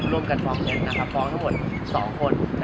ร่วมกันฟ้องเท็จฟ้องทั้งหมด๒คน